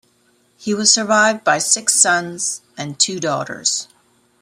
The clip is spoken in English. He was survived by six sons and two daughters.